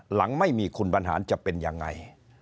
หลังไม่มีคุณบรรหารจะเป็นยังไง